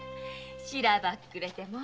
しらばっくれて。